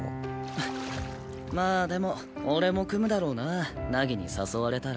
まあでも俺も組むだろうな凪に誘われたら。